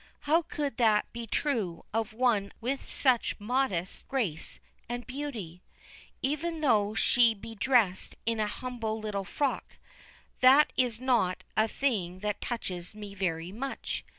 How could that be true of one with such modest grace and beauty ? even though she be dressed in a humble little frock. That is not a thing that touches me very much.